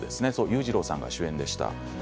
裕次郎さんが主演でした。